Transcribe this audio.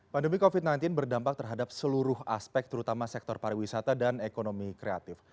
pandemi covid sembilan belas berdampak terhadap seluruh aspek terutama sektor pariwisata dan ekonomi kreatif